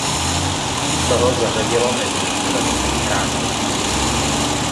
To ho řadilo mezi nejsilnější hráče.